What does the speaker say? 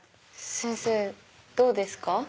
先生どうですか？